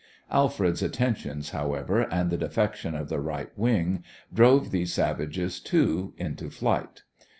Alfred's attentions, however, and the defection of the right wing, drove these savages, too, into flight.